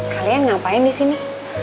kalian ngapain di sini